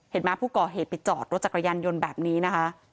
มั้ยผู้ก่อเหตุไปจอดรถจักรยานยนต์แบบนี้นะคะ